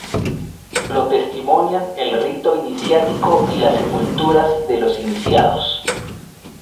Lo testimonian el rito iniciático y las sepulturas de los iniciados.